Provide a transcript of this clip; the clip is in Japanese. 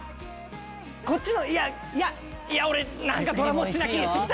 こっちのいやいや俺なんかどらもっちな気ぃしてきた。